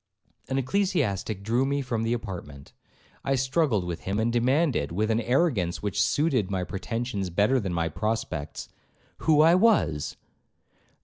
An ecclesiastic drew me from the apartment. I struggled with him, and demanded, with an arrogance which suited my pretensions better than my prospects, 'Who I was?'